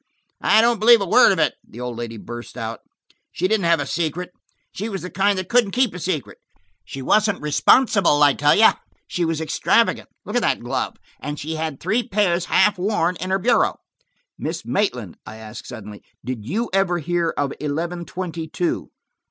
"I don't believe a word of it," the old lady burst out. "She didn't have a secret; she was the kind that couldn't keep a secret. She wasn't responsible, I tell you; she was extravagant. Look at that glove! And she had three pairs half worn in her bureau." "Miss Maitland," I asked suddenly, "did you ever hear of eleven twenty two?"